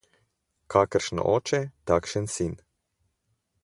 Kakršen oče, takšen sin.